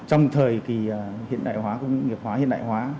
trong thời kỳ hiện đại hóa công nghiệp hóa hiện đại hóa